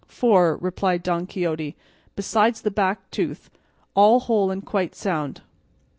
"Four," replied Don Quixote, "besides the back tooth, all whole and quite sound."